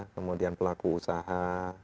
kemudian pelaku usaha